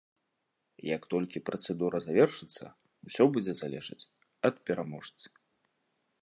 Як толькі працэдура завершыцца, усё будзе залежаць ад пераможцы.